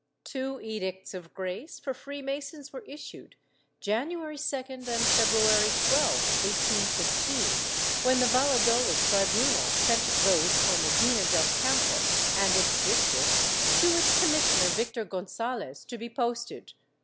Two Edicts of Grace for Free Masons were issued, January 2d and February 12, 1815, when the Valladolid tribunal sent those for Medina del Campo and its district to its commissioner Victor Gonzalez to be posted.